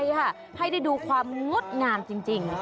ให้ได้ดูความงดงามจริง